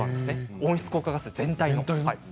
温室効果ガス全体の。